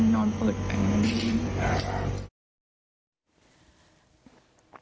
นอนเปิดแอร์